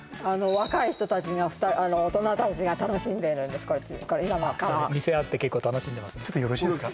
若い人たちが大人たちが楽しんでるんです見せ合って結構楽しんでますねちょっとよろしいですか